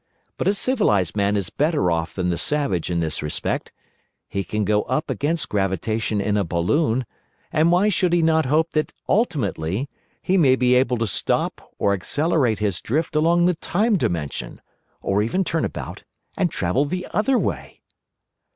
But a civilised man is better off than the savage in this respect. He can go up against gravitation in a balloon, and why should he not hope that ultimately he may be able to stop or accelerate his drift along the Time Dimension, or even turn about and travel the other way?"